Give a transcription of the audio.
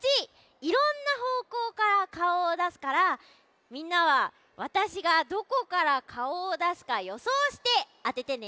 いろんなほうこうからかおをだすからみんなはわたしがどこからかおをだすかよそうしてあててね。